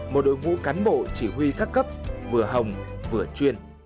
một đội ngũ cán bộ chỉ huy các cấp vừa hồng vừa chuyên